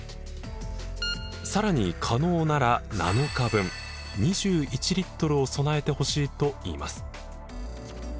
さらに可能なら７日分２１リットルを備えてほしいといいます。